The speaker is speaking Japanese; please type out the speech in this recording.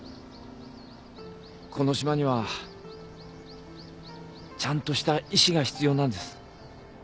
この島にはちゃんとした医師が必要なんです。